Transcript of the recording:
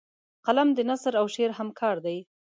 قلم د نثر او شعر همکار دی